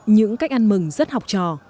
những cách ăn mừng rất học trò